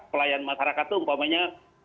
pelayan masyarakat itu umpamanya